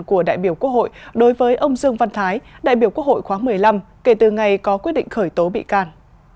của đại biểu quốc hội đối với ông dương văn thái đại biểu quốc hội khóa một mươi năm kể từ ngày có quyết định khởi tố bị can